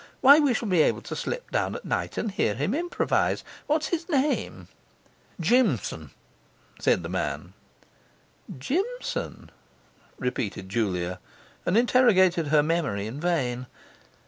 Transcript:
Why, we shall be able to slip down at night and hear him improvise! What is his name?' 'Jimson,' said the man. 'Jimson?' repeated Julia, and interrogated her memory in vain.